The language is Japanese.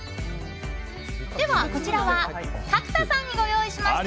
こちらは角田さんにご用意しました。